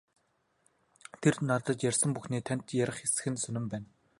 Тэр надад ярьсан бүхнээ танд ярих эсэх нь сонин байна.